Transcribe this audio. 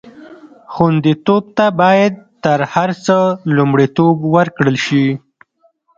خوندیتوب ته باید تر هر څه لومړیتوب ورکړل شي.